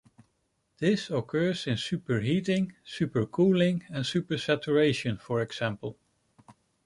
This occurs in superheating, supercooling, and supersaturation, for example.